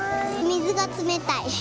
水が冷たい。